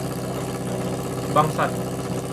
Bangsat!